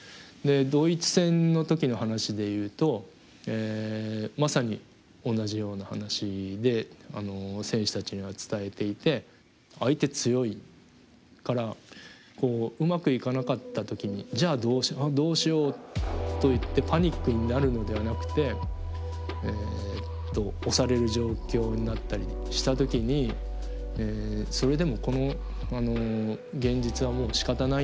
ドイツ戦の時の話でいうとまさに同じような話で選手たちには伝えていて相手強いからうまくいかなかった時にじゃあどうしようといってパニックになるのではなくてえっと押される状況になったりした時にそれでもこの現実はもうしかたないんだ。